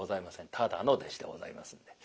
ただの弟子でございますんで。